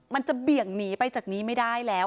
เบี่ยงหนีไปจากนี้ไม่ได้แล้ว